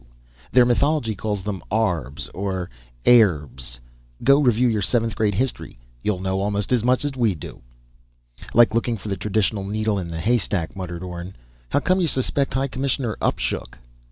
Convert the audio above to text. Their mythology calls them Arbs or Ayrbs. Go review your seventh grade history. You'll know almost as much as we do!" "Like looking for the traditional needle in the haystack," muttered Orne. "How come you suspect High Commissioner Upshook?"